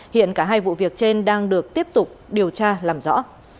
hiện cả hai vụ việc trên đang được tiếp tục điều tra làm rõ